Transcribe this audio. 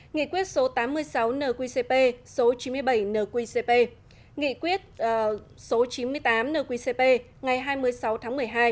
nghị quyết số tám mươi sáu nqcp số chín mươi bảy nqcp nghị quyết số chín mươi tám nqcp ngày hai mươi sáu tháng một mươi hai